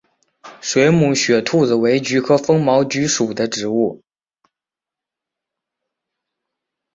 水母雪兔子为菊科风毛菊属的植物。